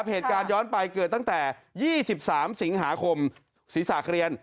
เหตุการณ์ย้อนไปเกิดตั้งแต่๒๓สิงหาคมศรีสาคเรียน